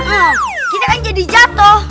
nah gini kalian jadi jatuh